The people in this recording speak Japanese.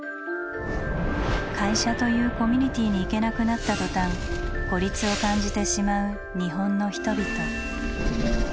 会社というコミュニティーに行けなくなった途端孤立を感じてしまう日本の人々。